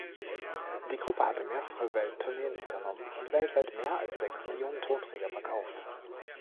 Die Gruppe hat mehrere Welttourneen unternommen und weltweit mehr als sechs Millionen Tonträger verkauft.